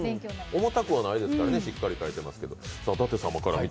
重たくはないですからね、しっかり描いてますけど。